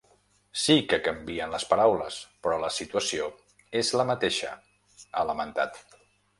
“Sí que canvien les paraules, però la situació és la mateixa”, ha lamentat.